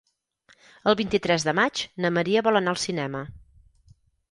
El vint-i-tres de maig na Maria vol anar al cinema.